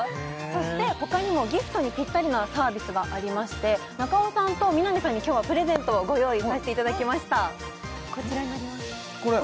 そして他にもギフトにぴったりなサービスがありまして中尾さんと南さんに今日はプレゼントをご用意させていただきましたこちらになりますこれ？